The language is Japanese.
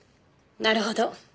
なるほど。